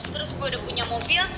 terus gue udah punya mobil